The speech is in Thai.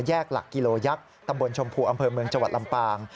หลักกิโลยักษ์ตำบลชมพูอำเภอเมืองจังหวัดลำปาง